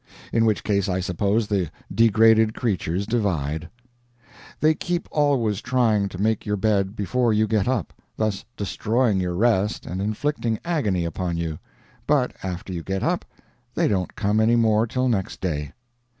In which case I suppose the degraded creatures divide. They keep always trying to make your bed before you get up, thus destroying your rest and inflicting agony upon you; but after you get up, they don't come any more till next day.